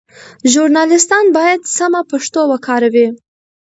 ژورنالیستان باید سمه پښتو وکاروي.